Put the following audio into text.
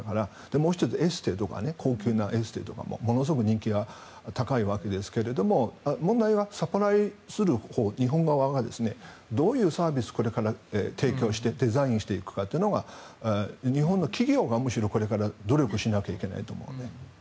もう１つ、エステとかね高級なエステとかもものすごく人気が高いですが問題はサプライするほう日本側がどういうサービスをこれから提供してデザインしていくかが日本の企業がむしろこれから努力しないといけないと思います。